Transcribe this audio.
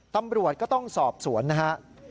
ตำรวจก็ต้องสอบสวนนะฮะ